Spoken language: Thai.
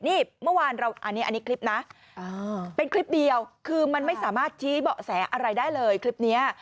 นี่เมื่อวานเราอันนี้คลิปนะเป็นคลิปเดียวคือมันไม่สามารถชี้เบาะแสอะไรได้เลยคลิปนี้